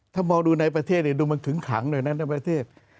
ถ้ามองดูในประเทศเนี่ยดูมันขึ้งขังเลยนะในประเทศ